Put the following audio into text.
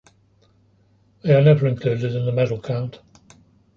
They are never included in the medal count.